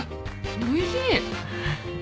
おいしい。